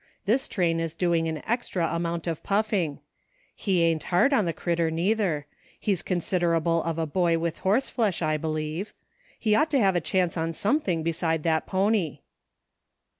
This train is doing an extra amount of puffing. He ain't hard on the I04 GROWING "NECESSARY.' critter, neither. He's considerable of a boy with horseflesh, I beheve. He ought to have a chance on something beside that pony."